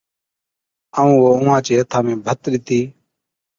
ائُون او اُونھان چي ھٿان ۾ ڀَتَ ڏِتِي